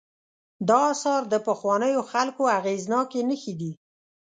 دا آثار د پخوانیو خلکو اغېزناکې نښې دي.